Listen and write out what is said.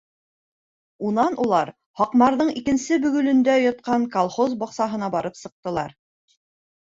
Унан улар Һаҡмарҙың икенсе бөгөлөндә ятҡан колхоз баҡсаһына барып сыҡтылар.